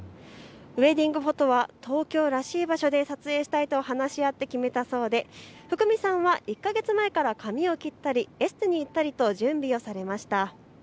ウエディングフォトは東京らしい場所で撮影したいと話し合って決めたそうで福見さんは１か月前から髪を切ったりエステに行ったりと準備をされました。